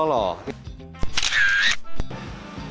setengah kilo loh